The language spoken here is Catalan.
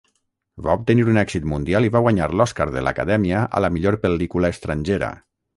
Va obtenir un èxit mundial i va guanyar l'Òscar de l'Acadèmia a la millor pel·lícula estrangera.